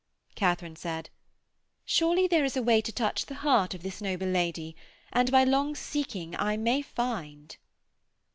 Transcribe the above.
Katharine said: 'Surely there is a way to touch the heart of this noble lady, and by long seeking I may find.'